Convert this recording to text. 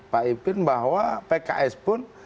pak ipin bahwa pks pun